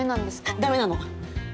ダメなの。